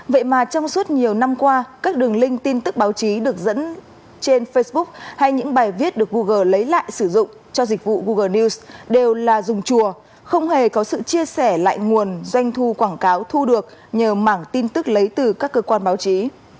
vậy mà trong suốt nhiều năm qua các đường link tin tức báo chí được dẫn trên facebook hay những bài viết được google lấy lại sử dụng cho dịch vụ google news đều là dùng chùa không hề có sự chia sẻ lại nguồn doanh thu quảng cáo thu được nhờ mảng tin tức lấy từ các cơ quan báo chí